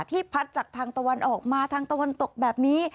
พัดจากทางตะวันออกมาทางตะวันตกแบบนี้